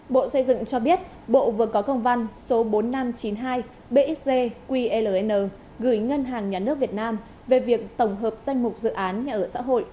bộ xây dựng cho biết bộ vừa có công văn số bốn nghìn năm trăm chín mươi hai bsg ql gửi ngân hàng nhà nước việt nam về việc tổng hợp danh mục dự án nhà ở xã hội